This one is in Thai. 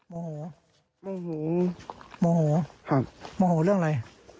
โมโหโมโหโมโหโมโหเรื่องอะไร